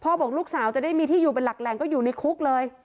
บอกลูกสาวจะได้มีที่อยู่เป็นหลักแหล่งก็อยู่ในคุกเลย